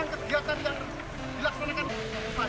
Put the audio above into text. untuk berlaku tetap dengan mereka pendapat